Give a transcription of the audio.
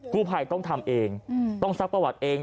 กู้ภัยต้องทำเองต้องซักประวัติเอง